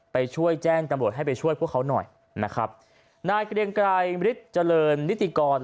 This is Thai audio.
ไปช่วยแจ้งตำบทให้พวกเขาหน่อยนะครับนายเกรงไกรจริริย์ชลินร์นิติศาสตร์